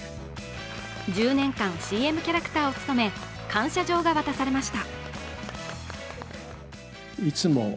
１０年間ＣＭキャラクターを務め感謝状が渡されました。